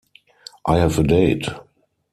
I have a date.